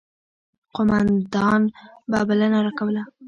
قوماندان به بلنه راکوله.